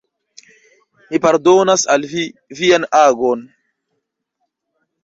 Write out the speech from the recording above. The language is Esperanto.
Mi pardonas al vi vian agon.